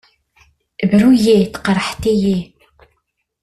Bru-iyi! Tqerḥed-iyi!